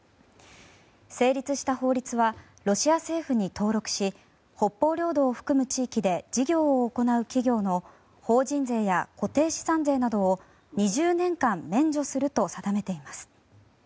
成立した法律はロシア政府に登録し北方領土を含む地域で事業を行う企業の法人税や固定資産税などを２０年間免除すると定めています。